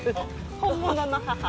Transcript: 本物の母。